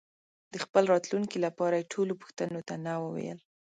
د خپل راتلونکي لپاره یې ټولو پوښتنو ته نه وویل.